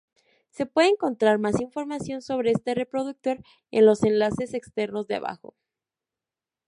Se puede encontrar más información sobre este reproductor en los enlaces externos de abajo.